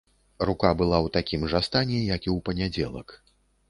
Рука была ў такім жа стане, як і ў панядзелак.